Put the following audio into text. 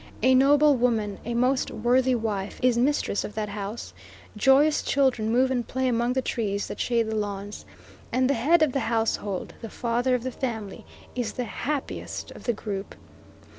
A noble woman, a most worthy wife is mistress of that house; joyous children move and play among the trees that shade the lawns; and the head of the household, the father of the family, is the happiest of thee group.